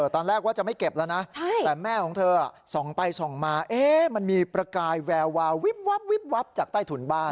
ตอนแรกว่าจะไม่เก็บแล้วนะแต่แม่ของเธอส่องไปส่องมามันมีประกายแวววาววิบวับวิบวับจากใต้ถุนบ้าน